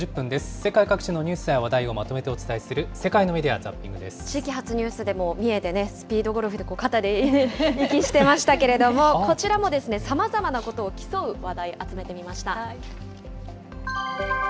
世界各地のニュースや話題をまとめてお伝えする、地域発ニュースでも三重でね、スピードゴルフで肩で息してましたけれども、こちらもさまざまなことを競う話題、集めてみました。